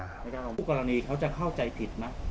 กรณีเขาจะเข้าใจผิดไหม